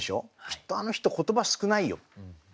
きっとあの人言葉少ないよ。